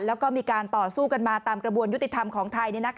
แล้วก็มีการต่อสู้กันมาตามกระบวนยุติธรรมของไทย